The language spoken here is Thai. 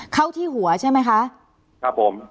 เข้าที่หัวใช่ไหมคะ